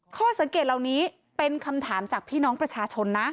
ข้อสังเกตเหล่านี้เป็นคำถามจากพี่น้องประชาชนนะ